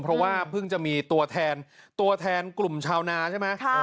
เพราะว่าเพิ่งจะมีตัวแทนตัวแทนกลุ่มชาวนาใช่ไหม